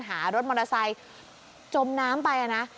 หารถมอเตอร์ไซค์จมน้ำไปนะ